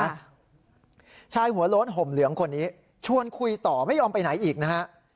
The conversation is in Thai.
ชายหัวโล้นห่มเหลืองคนนี้ชวนคุยต่อไม่ยอมไปไหนอีกนะฮะ